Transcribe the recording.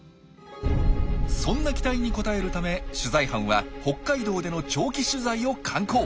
そんな期待に応えるため取材班は北海道での長期取材を敢行！